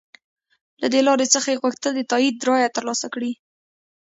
له دې لارې څخه یې غوښتل د تایید رایه تر لاسه کړي.